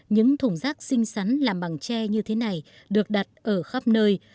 những thùng rác xinh xắn làm bằng tre như thế này được đặt ở khắp nơi